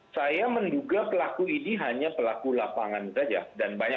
saya menduga pelaku ini hanya pelaku lapangan saja